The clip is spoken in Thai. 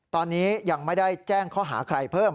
ตอนนี้ยังไม่ได้แจ้งข้อหาใครเพิ่ม